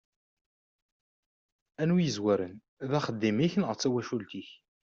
Anwa i yezwaren, d axeddim-inek neɣ d tawacult-inek?